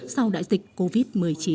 sau đại dịch covid một mươi chín